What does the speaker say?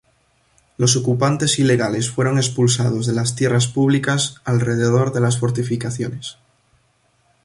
Los ocupantes ilegales fueron expulsados de las tierras públicas alrededor de las fortificaciones.